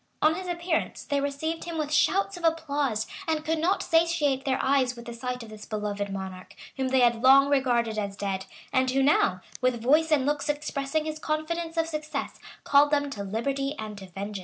On his appearance, they received him with shouts of applause,[] and could not satiate their eyes with the sight of this beloved monarch, whom they had long regarded as dead, and who now, with voice and looks expressing his confidence of success, called them to liberty and to vengeance.